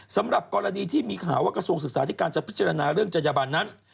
สำหรับกรณีที่มีข่าวว่ากระทรวงศึกษาธิการจะพิจารณาเรื่องจัญญบันนั้น